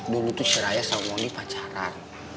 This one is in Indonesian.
dulu tuh si raya sama wonny pacaran